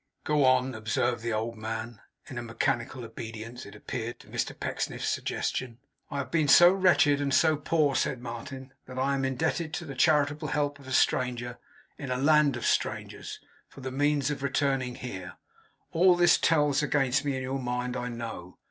'Go on!' observed the old man; in a mechanical obedience, it appeared, to Mr Pecksniff's suggestion. 'I have been so wretched and so poor,' said Martin, 'that I am indebted to the charitable help of a stranger, in a land of strangers, for the means of returning here. All this tells against me in your mind, I know.